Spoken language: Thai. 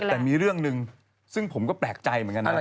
แต่มีเรื่องหนึ่งซึ่งผมก็แปลกใจเหมือนกันนะ